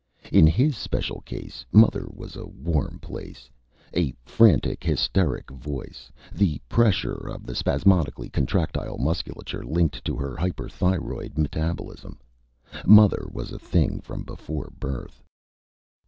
In his special case, Mother was a warm place, a frantic, hysteric voice, the pressure of the spasmodically contractile musculature linked to her hyperthyroid metabolism. Mother was a thing from before birth.